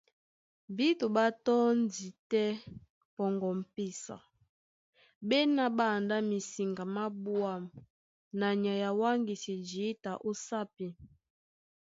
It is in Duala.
Bíto ɓá tɔ́ndi tɛ́ pɔŋgɔ m̀pesa, ɓá ená ɓá andá misiŋga má ɓwǎm̀ na nyay a wáŋgisi jǐta ó sápi.